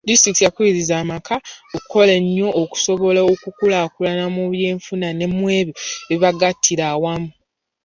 Disitulikiti yakubirizza amaka okukola ennyo okusobola okukulaakulana mu byenfuna ne mw'ebyo ebibagattira awamu.